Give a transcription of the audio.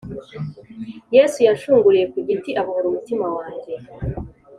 Yesu yanshunguriye ku giti abohora umutima wanjye